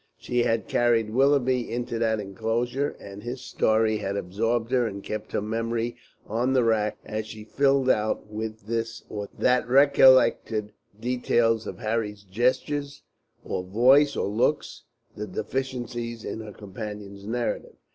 She had carried Willoughby into that enclosure, and his story had absorbed her and kept her memory on the rack, as she filled out with this or that recollected detail of Harry's gestures, or voice, or looks, the deficiencies in her companion's narrative.